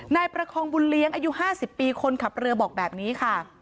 นายประคองบุญเลี้ยงอายุ๕๐ปีคนขับเรือบอกแบบนี้ค่ะ